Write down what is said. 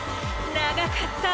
［長かった］